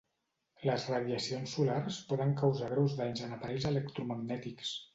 Les radiacions solars poden causar greus danys en aparells electromagnètics.